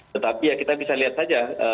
tetapi ya kita bisa lihat saja